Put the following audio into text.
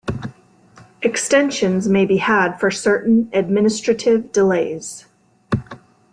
Extensions may be had for certain administrative delays.